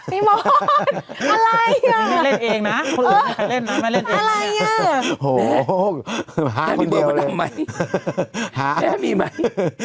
ฮะพี่มอดอะไรอ่ะอะไรอ่ะโหแม้มีเบอร์มาทำไหมแม้มีไหม